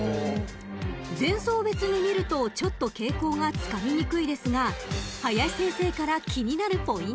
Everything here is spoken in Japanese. ［前走別に見るとちょっと傾向がつかみにくいですが林先生から気になるポイントが］